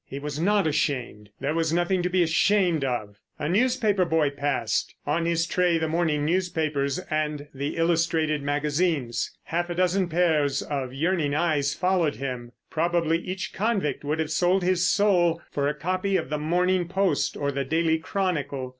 He was not ashamed. There was nothing to be ashamed of. A newspaper boy passed; on his tray the morning newspapers and the illustrated magazines. Half a dozen pairs of yearning eyes followed him. Probably each convict would have sold his soul for a copy of the Morning Post or the Daily Chronicle.